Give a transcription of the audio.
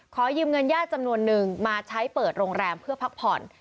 ขอยืมเงินญาติจำนวนนึงมาใช้เปิดโรงแรมเพื่อพักผ่อน